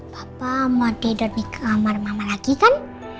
papa mau tidur di kamar mama lagi kan